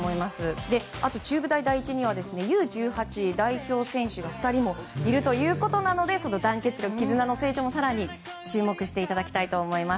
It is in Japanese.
中部大第一にはＵ‐１８の代表選手も２人もいるということなのでその団結力、絆の成長も更に注目していただきたいと思います。